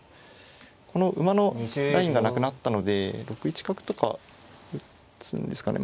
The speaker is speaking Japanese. この馬のラインがなくなったので６一角とか打つんですかね。